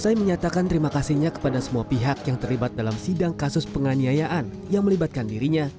usai menyatakan terima kasihnya kepada semua pihak yang terlibat dalam sidang kasus penganiayaan yang melibatkan dirinya